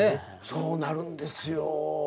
そうなるんですよ。